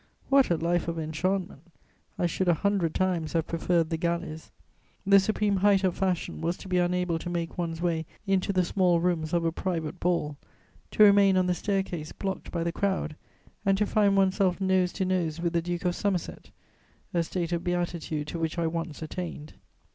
What a life of enchantment! I should a hundred times have preferred the galleys. The supreme height of fashion was to be unable to make one's way into the small rooms of a private ball, to remain on the stair case blocked by the crowd, and to find one's self nose to nose with the Duke of Somerset; a state of beatitude to which I once attained.